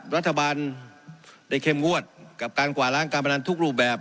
รัฐบาลได้เข้มงวดกับการกว่าล้างการพนันทุกรูปแบบ